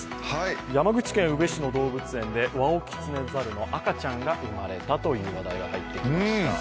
山口県宇部市の動物園でワオキツネザルの赤ちゃんが産まれたという話題が入ってきました。